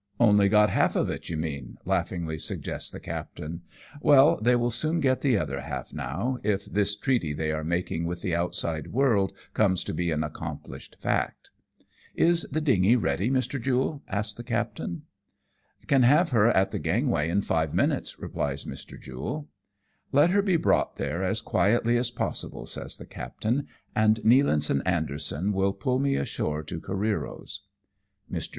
" Only got half of it, you mean," laughingly suggests the captain ;" well, they will soon get the other half now, if this treaty they are making with the outside world comes to be an accomplished fact." "Is the dingy handy, Mr. Jule?" asks the captain. 1 84 AMONG TYPHOONS AND PIRATE CRAFT. " Can have her at the gangway in five minutes/' replies Mr. Jule. " Let her be brought there as quietly as possible," says the captain, "and Nealance and Anderson will pull me ashore to Careero's." Mr.